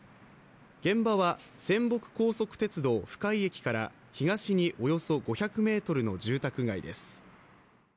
現場は泉北高速鉄道・深井駅から東におよそ５００ｍの住宅街です。